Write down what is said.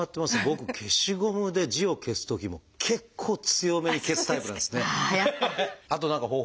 僕消しゴムで字を消すときも結構強めに消すタイプなんですね。